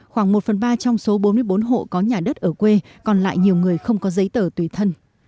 khoảng một phần ba trong số bốn mươi bốn hộ có nhà đất ở quê còn lại nhiều người không có giấy tờ tùy thân